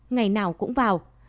ngày nào cũng vào